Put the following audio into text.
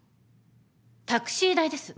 タクシー代です。